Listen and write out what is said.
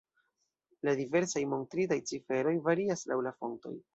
La diversaj montritaj ciferoj varias laŭ la fontoj.